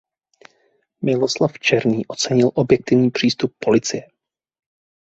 Miloslav Černý ocenil objektivní přístup policie.